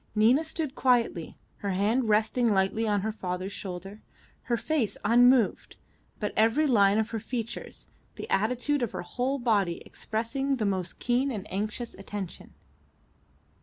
Nina stood quietly, her hand resting lightly on her father's shoulder, her face unmoved, but every line of her features, the attitude of her whole body expressing the most keen and anxious attention.